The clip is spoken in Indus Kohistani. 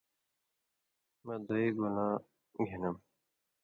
مہ دَوئے گَولاں گِھنم؟